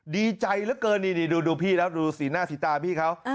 ดีใจเหลือเกินนี่ดูพี่แล้วดูสีหน้าสีตาพี่เขา